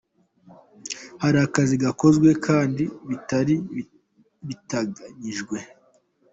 Hari akazi kakozwe kandi bitari biteganyijwe.